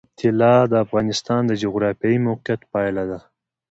طلا د افغانستان د جغرافیایي موقیعت پایله ده.